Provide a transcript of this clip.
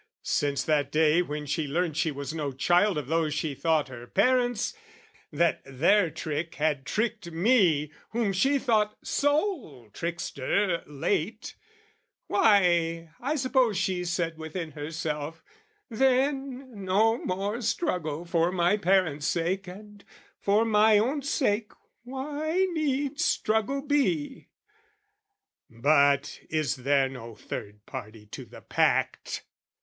Since that day when she learned she was no child Of those she thought her parents, that their trick Had tricked me whom she thought sole trickster late, Why, I suppose she said within herself "Then, no more struggle for my parents' sake, "And, for my own sake, why needs struggle be?" But is there no third party to the pact?